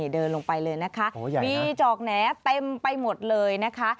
เดินลงไปเลยนะคะมีจอกแหน่เต็มไปหมดเลยนะคะ